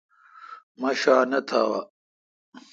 مہ ݭا نہ تھاوا۔